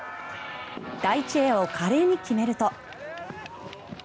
第１エアを華麗に決めると。